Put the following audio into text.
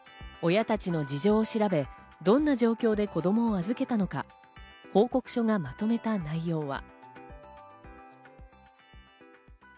親たちの事情を調べ、どんな状況で子供を預けたのか、報告書がまとめた内容は。